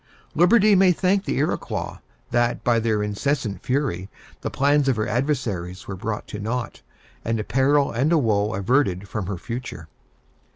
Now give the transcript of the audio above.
Liberty may thank the Iroquois, that, by their insensate fury, the plans of her adversary were brought to nought, and a peril and a woe averted from her future.